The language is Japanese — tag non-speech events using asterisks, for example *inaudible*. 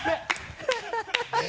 ハハハ *laughs*